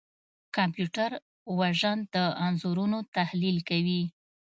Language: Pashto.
کمپیوټر وژن د انځورونو تحلیل کوي.